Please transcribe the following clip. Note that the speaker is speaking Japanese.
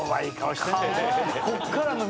こっからの。